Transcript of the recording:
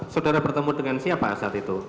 saudara bertemu dengan siapa saat itu